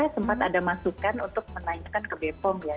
sempat ada masukan untuk menanyakan ke bepom ya